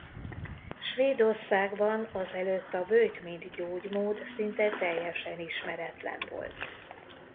Svédországban azelőtt a böjt mint gyógymód szinte teljesen ismeretlen volt.